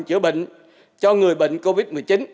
chữa bệnh cho người bệnh covid một mươi chín